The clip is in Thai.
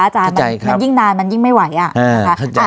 อาจารย์ค่ะมันยิ่งนานมันยิ่งไม่ไหวอ่ะอ่าค่ะค่ะค่ะ